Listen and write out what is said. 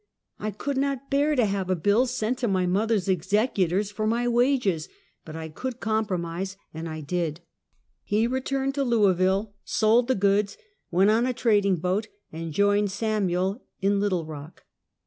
I could not bear to have a bill sent to mother's executors for my wages, but I could compromise, and I did. He returned to Louisville, sold the goods, went on a trading boat, and joined Samuel in Little Rock.